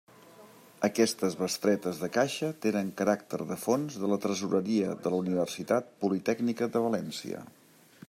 Aquestes bestretes de caixa tenen caràcter de fons de la Tresoreria de la Universitat Politècnica de València.